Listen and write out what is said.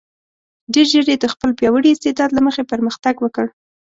ډېر ژر یې د خپل پیاوړي استعداد له مخې پرمختګ وکړ.